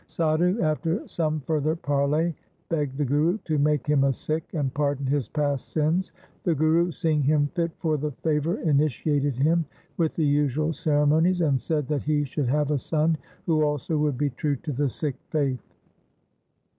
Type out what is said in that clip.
Sadhu, after some further parley, begged the Guru to make him a Sikh, and pardon his past sins. The Guru, seeing him fit for the favour, initiated him with the usual ceremonies, and said that he should have a son who also would be true to the Sikh faith.